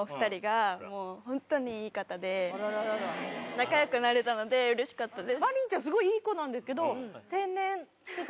仲良くなれたのでうれしかったです。